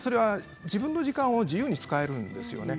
自分の時間を自由に使えるんですね。